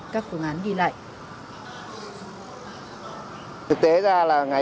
các phương án ghi lại